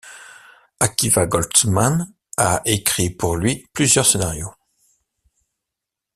Akiva Goldsman a écrit pour lui plusieurs scénarios.